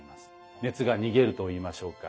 熱が逃げるといいましょうか。